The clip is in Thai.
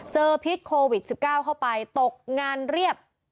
พิษโควิด๑๙เข้าไปตกงานเรียบ